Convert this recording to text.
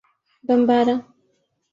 Bambara